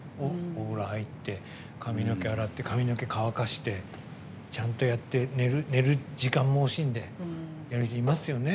お風呂入って、髪の毛洗って髪の毛、乾かしてちゃんとやって寝る時間も惜しんでやる人いますよね。